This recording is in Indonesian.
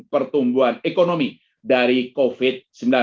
pertumbuhan ekonomi dari covid sembilan belas